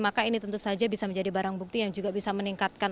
maka ini tentu saja bisa menjadi barang bukti yang juga bisa meningkatkan